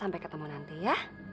sampai ketemu nanti ya